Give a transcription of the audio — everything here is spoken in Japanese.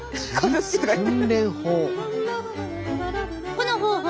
この方法